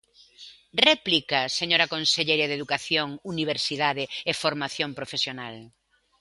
Réplica, señora conselleira de Educación, Universidade e Formación Profesional.